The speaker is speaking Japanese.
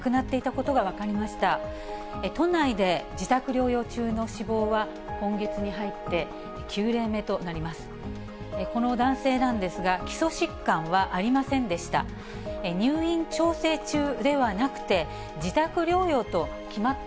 この男性なんですが、基礎疾患はありませんでした。